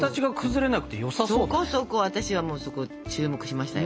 そこそこ私はそこ注目しましたよ。